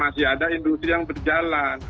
masih ada industri yang berjalan